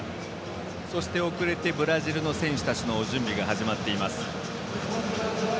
そして、遅れてブラジルの選手たちの準備が始まっています。